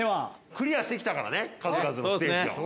クリアしてきたからね数々のステージを。